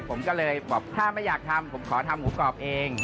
ผมก็เลยบอกถ้าไม่อยากทำผมขอทำหมูกรอบเอง